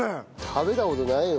食べた事ないよ。